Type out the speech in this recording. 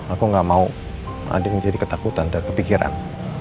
aku gak mau andien jadi ketakutan dan kepikiran